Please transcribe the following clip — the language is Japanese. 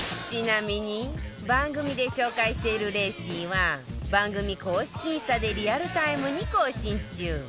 ちなみに番組で紹介しているレシピは番組公式インスタでリアルタイムに更新中